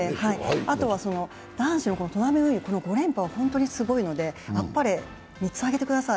あとは男子のトナミ運輸５連覇は本当にすごいので、あっぱれ３つあげてください。